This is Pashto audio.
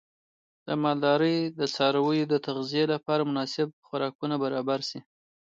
د مالدارۍ د څارویو د تغذیې لپاره مناسب خوراکونه برابر شي.